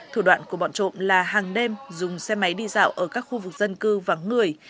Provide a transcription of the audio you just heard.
thủ đoạn của bọn trộm là hàng đêm dùng xe máy đi dạo ở các khu vực dân cư vắng người